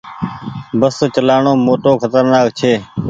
بس چلآڻو موٽو کترنآڪ ڇي۔